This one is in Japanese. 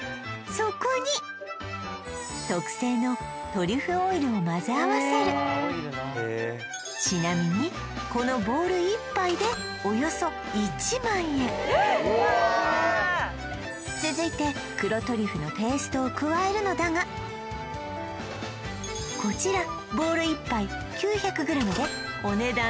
そこにをまぜあわせるちなみにこのボウル１杯でおよそ１万円続いて黒トリュフのペーストを加えるのだがこちらボウル１杯９００ｇでお値段